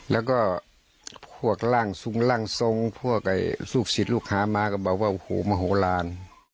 แล้วก็พวกร่างทรงร่างทรงพวกลูกศิษย์ลูกค้ามาก็บอกว่าโอ้โหมโหลาน